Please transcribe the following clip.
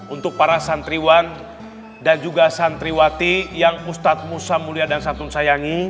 untuk para santriwan dan juga santriwati yang ustadz musa mulia dan santun sayangi